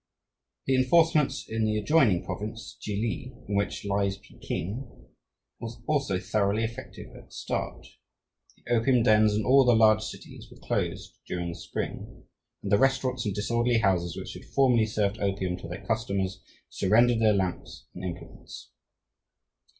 The enforcements in the adjoining province, Chih li, in which lies Peking, was also thoroughly effective at the start. The opium dens in all the large cities were closed during the spring, and the restaurants and disorderly houses which had formerly served opium to their customers surrendered their lamps and implements.